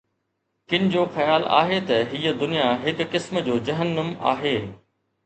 ڪن جو خيال آهي ته هيءَ دنيا هڪ قسم جو جهنم آهي.